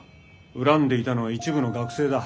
恨んでいたのは一部の学生だ。